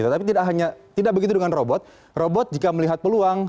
tapi tidak begitu dengan robot robot jika melihat peluang